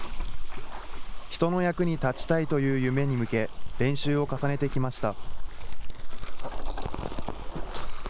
人の役に立ちたいという夢に向け、練習を重ねてきました。